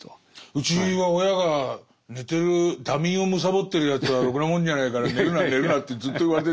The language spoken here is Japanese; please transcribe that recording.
うちは親が寝てる惰眠をむさぼってるやつはろくなもんじゃないから寝るな寝るなってずっと言われてて。